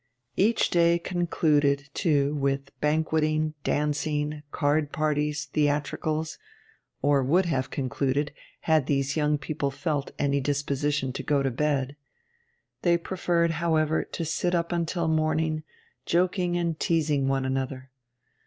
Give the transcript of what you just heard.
Each day concluded, too, with banqueting, dancing, card parties, theatricals; or would have concluded, had these young people felt any disposition to go to bed. They preferred, however, to sit up until morning, joking and teasing one another.